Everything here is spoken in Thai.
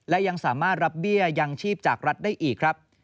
และยังสามารถรับเบี้ยยังชีพจากรัฐได้อีกครับ